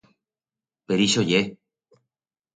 Per ixo ye!